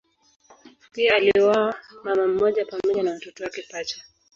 Pia aliuawa mama mmoja pamoja na watoto wake pacha.